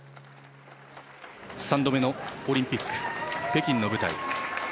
３度目のオリンピック北京の舞台。